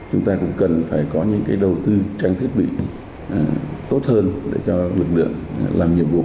chúng ta cũng cần phải có những đầu tư trang thiết bị tốt hơn để cho lực lượng làm nhiệm vụ